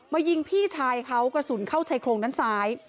ยิงพี่ชายเขากระสุนเข้าชายโครงด้านซ้าย